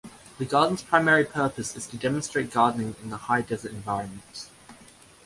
The garden's primary purpose is to demonstrate gardening in the high desert environment.